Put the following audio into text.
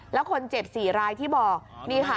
แล้วคนเจ็บ๔รายที่บอก